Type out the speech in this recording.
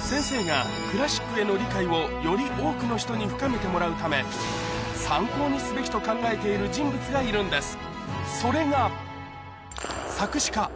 先生がクラシックへの理解をより多くの人に深めてもらうため参考にすべきと考えている人物がいるんです